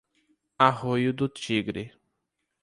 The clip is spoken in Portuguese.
Arroio do Tigre